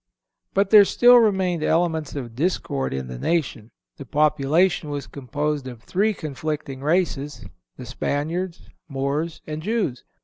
But there still remained elements of discord in the nation. The population was composed of three conflicting races—the Spaniards, Moors and Jews.